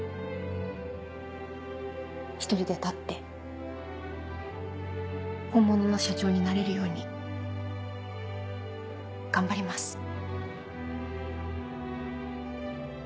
１人で立って本物の社長になれるように頑張ります。